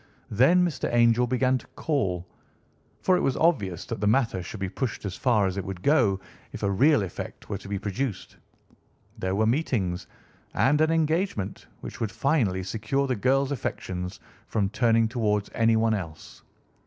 Then Mr. Angel began to call, for it was obvious that the matter should be pushed as far as it would go if a real effect were to be produced. There were meetings, and an engagement, which would finally secure the girl's affections from turning towards anyone else.